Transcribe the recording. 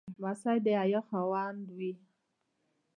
لمسی د حیا خاوند وي.